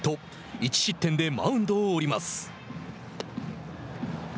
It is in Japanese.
１失点でマウンドを降ります。